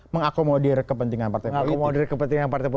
mengakomodir kepentingan partai politik